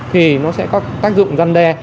thì nó sẽ có tác dụng gian đe